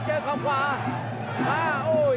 เจอกล่องขวามาโอ้ย